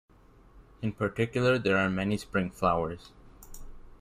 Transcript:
In particular, there are many spring flowers.